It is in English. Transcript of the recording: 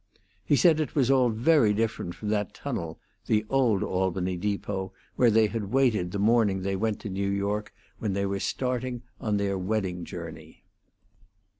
He said it was all very different from that tunnel, the old Albany depot, where they had waited the morning they went to New York when they were starting on their wedding journey.